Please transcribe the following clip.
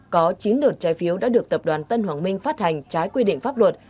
có chín đợt trái phiếu đã được tập đoàn tân hoàng minh phát hành trái quy định pháp luật